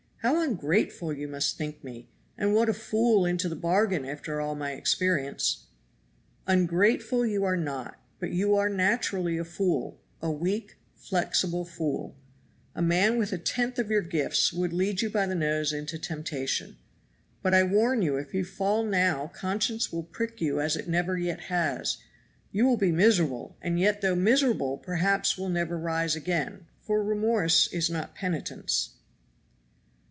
How ungrateful you must think me, and what a fool into the bargain after all my experience!" "Ungrateful you are not, but you are naturally a fool a weak, flexible fool. A man with a tenth of your gifts would lead you by the nose into temptation. But I warn you if you fall now conscience will prick you as it never yet has; you will be miserable, and yet though miserable perhaps will never rise again, for remorse is not penitence."